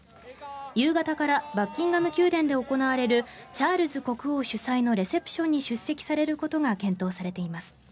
夕方からバッキンガム宮殿で行われるチャールズ国王主催のレセプションに出席されることが検討されています。